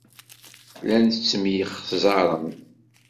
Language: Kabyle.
Llant ttemyexzarent.